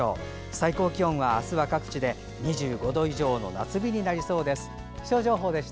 最高気温は明日は各地で２５度以上の夏日になりそうです。